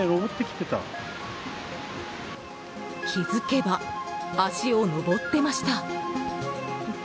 気づけば足を上っていました。